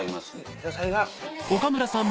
野菜が。